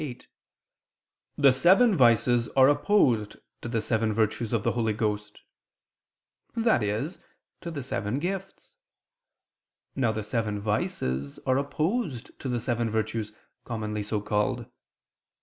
8): "The seven vices are opposed to the seven virtues of the Holy Ghost," i.e. to the seven gifts. Now the seven vices are opposed to the seven virtues, commonly so called.